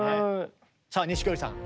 さあ錦織さん。